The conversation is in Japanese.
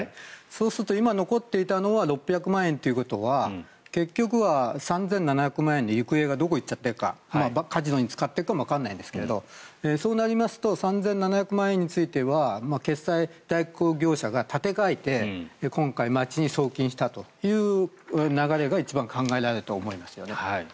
そうすると、今残っていたのは６００万円ということは結局は３７００万円の行方がどこに行っちゃっているかカジノに使っているかもわからないんですがそうなりますと３７００万円については決済代行業者が立て替えて今回、町に送金したという流れが一番考えられると思いますよね。